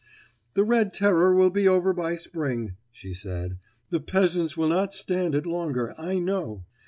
"The Red Terror will be over by spring," she said; "the peasants will not stand it longer. I know.